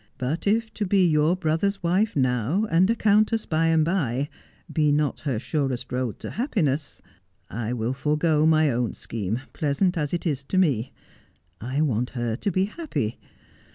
But if to be your brother's wife now, and a countess by and by, be not her surest road to happiness, I will forego my own scheme, pleasant as it is to me. I want her to be happy.